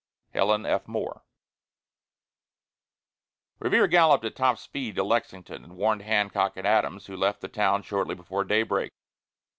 HELEN F. MORE. Revere galloped at top speed to Lexington, and warned Hancock and Adams, who left the town shortly before daybreak.